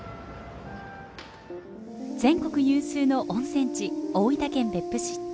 全国有数の温泉地大分県別府市。